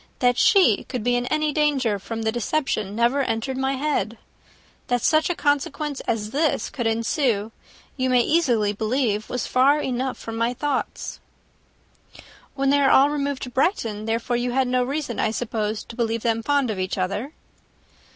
That she could be in any danger from the deception never entered my head. That such a consequence as this should ensue, you may easily believe was far enough from my thoughts." "When they all removed to Brighton, therefore, you had no reason, I suppose, to believe them fond of each other?"